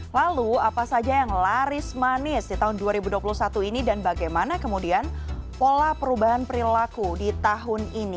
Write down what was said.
lalu apa saja yang laris manis di tahun dua ribu dua puluh satu ini dan bagaimana kemudian pola perubahan perilaku di tahun ini